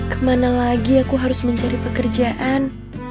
kemana lagi aku harus mencari pekerjaan